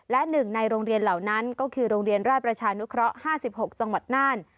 และหนึ่งในโรงเรียนเหล่านั้นก็คือโรงเรียนราชประชานุเคราะห์๕๖จังหวัดน่าน